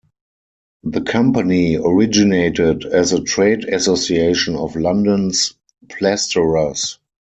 The Company originated as a trade association of London's plasterers.